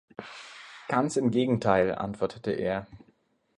„Ganz im Gegenteil“, antwortete er.